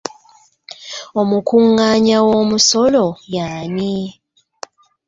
Omukungaanya w'omusolo y'ani?